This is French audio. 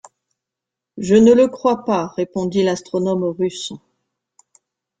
Je ne le crois pas, répondit l’astronome russe.